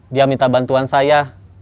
dia minta bantuan saya